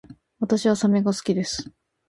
私はサメが好きです